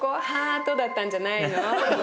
ハートだったんじゃないの？